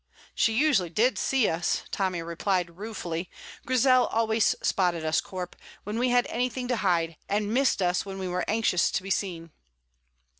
"She usually did see us," Tommy replied ruefully. "Grizel always spotted us, Corp, when we had anything to hide, and missed us when we were anxious to be seen."